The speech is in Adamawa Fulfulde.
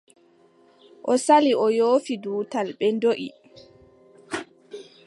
O sali o yoofi dutal, ɓe ndoʼi.